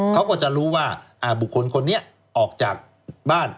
เขาก็จะรู้ว่าบุคคลคนนี้ออกจากบ้าน